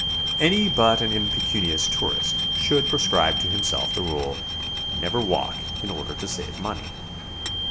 Any but an impecunious tourist should prescribe to him self the rule, "Never walk in order to save money."